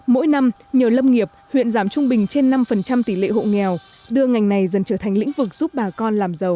mỗi năm nhờ lâm nghiệp huyện giảm trung bình trên năm tỷ lệ hộ nghèo đưa ngành này dần trở thành lĩnh vực giúp bà con làm giàu